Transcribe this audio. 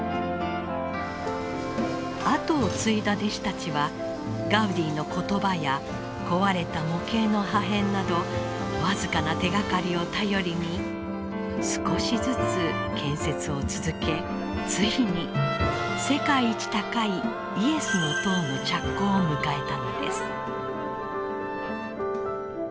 あとを継いだ弟子たちはガウディの言葉や壊れた模型の破片など僅かな手がかりを頼りに少しずつ建設を続けついに世界一高いイエスの塔の着工を迎えたのです。